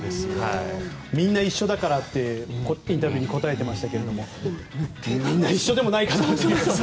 みんな一緒だからってインタビューに答えてましたがみんな一緒でもないかなという。